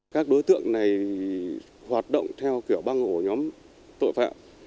các đối tượng này hoạt động theo kiểu băng ổ nhóm tội phạm